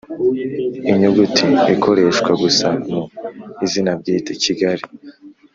Inyuguti “l” ikoreshwa gusa mu izina bwite “Kigali”,